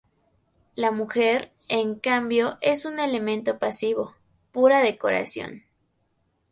La mujer, en cambio, es un elemento pasivo, pura decoración.